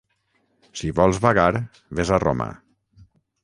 Si vols vagar, ves a Roma.